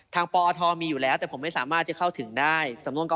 ทางปอมีอยู่แล้วแต่ผมไม่สามารถจะเข้าถึงได้